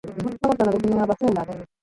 ファゴットの別名は、バスーンである。